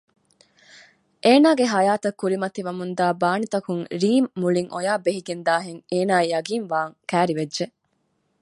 އޭނަގެ ހަޔާތަށް ކުރިމަތި ވަމުންދާ ބާނިތަކުން ރީމް މުޅިން އޮޔާ ބެހިގެން ދާހެން އޭނައަށް ޔަގީންވާން ކައިރިވެއްޖެ